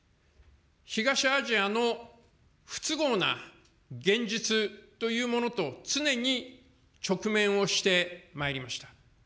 東アジアの不都合な現実というものと常に直面をしてまいりました。